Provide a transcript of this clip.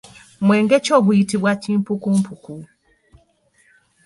Mwenge ki oguyitibwa kimpukumpuku?